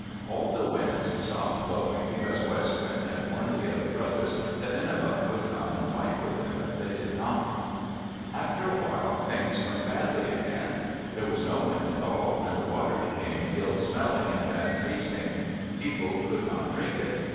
All the winds stopped blowing, because West Wind had warned the other brothers that Nenebuc would come and fight with them if they did not. After a while things went badly again. There was no wind at all and the water became ill smelling, and bad tasting. People could not drink it.